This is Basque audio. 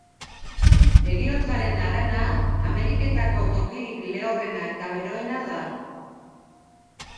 Heriotzaren harana Ameriketako tokirik lehorrena eta beroena da.